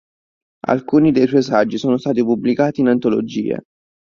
Alcuni dei suoi saggi sono stati pubblicati in antologie.